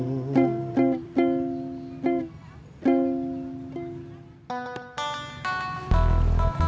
kemana sih tutik